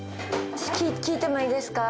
聞いてもいいですか？